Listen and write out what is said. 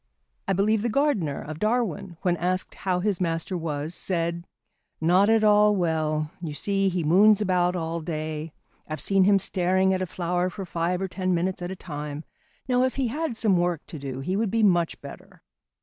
I believe the gardener of Darwin when asked how his master was, said, "Not at all well. You see, he moons about all day. I've seen him staring at a flower for five or ten minutes at a time. Now, if he had some work to do, he would be much better."